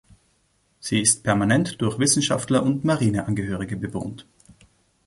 Sie ist permanent durch Wissenschaftler und Marineangehörige bewohnt.